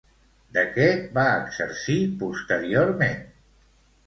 De què va exercir posteriorment?